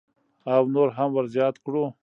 او نور هم ورزیات کړو.